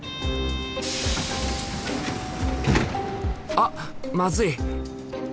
あっまずい！